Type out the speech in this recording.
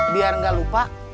biar gak lupa